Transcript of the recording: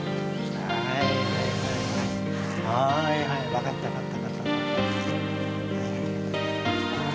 分かった、分かった。